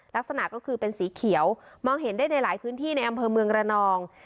ลักษณะก็คือเป็นสีเขียวมองเห็นได้ในหลายพื้นที่ในอำเภอเมืองระนอง